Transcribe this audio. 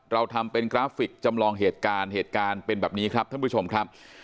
เราทำเป็นกราฟิกจำลองเหตุการณ์เหตุการณ์เป็นแบบนี้ครับท่านผู้ชมครับ